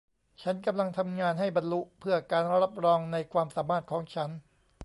ฉันกำลังทำงานให้บรรลุเพื่อการรับรองในความสามารถของฉัน